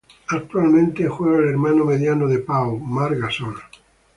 Actualmente, juega el hermano mediano de Pau, Marc Gasol.